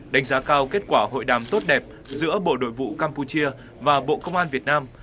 đánh giá cao kết quả hội đàm tốt đẹp giữa bộ nội vụ campuchia và bộ công an việt nam